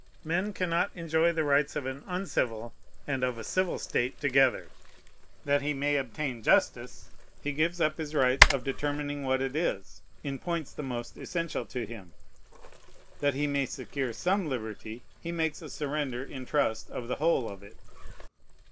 Men cannot enjoy the rights of an uncivil and of a civil state together. That he may obtain justice, he gives up his right of determining what it is in points the most essential to him. That he may secure some liberty, he makes a surrender in trust of the whole of it.